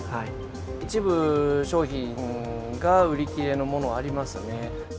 一部、商品が売り切れのもの、ありますね。